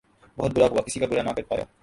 بہت بُرا ہُوں! کسی کا بُرا نہ کر پایا